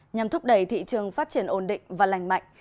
nhằm thúc đẩy thị trường phát triển ổn định và lành mạnh